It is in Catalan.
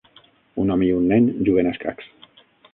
Un home i un nen juguen a escacs.